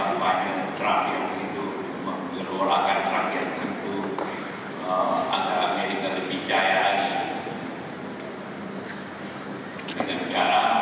apa yang terakhir begitu mengelola karya tentu agar amerika lebih jaya lagi dengan cara